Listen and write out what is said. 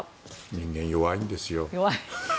人間、弱いんですよ。